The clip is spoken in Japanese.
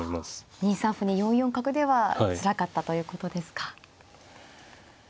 ２三歩に４四角ではつらかったということですか。